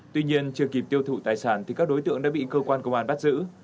tuy nhiên chưa kịp tiêu thụ tài sản thì các đối tượng đã bị cơ quan công an bắt giữ